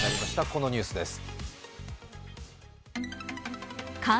このニュースです。